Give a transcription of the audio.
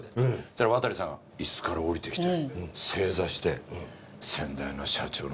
そしたら渡さんが椅子から降りてきて正座して。